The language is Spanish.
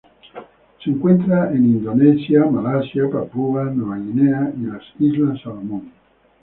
Se encuentran Indonesia, Malasia, Papúa Nueva Guinea y las Islas Salomón.